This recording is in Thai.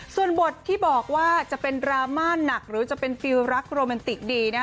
ส่วนบทที่บอกว่าจะเป็นดราม่าหนักหรือจะเป็นฟิลรักโรแมนติกดี